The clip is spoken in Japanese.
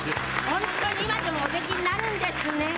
本当に今でもおできになるんですね。